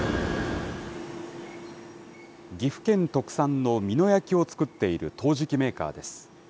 岐阜県特産の美濃焼を作っている陶磁器メーカーです。